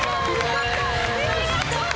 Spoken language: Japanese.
ありがとう。